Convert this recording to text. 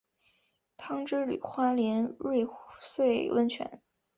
汤之旅花莲瑞穗温泉